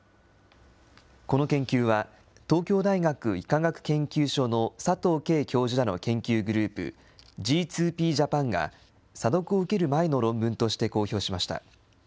この研究は、東京大学医科学研究所の佐藤佳教授らの研究グループ、Ｇ２ＰーＪａｐａｎが、査読を受ける前の論文として公表しました。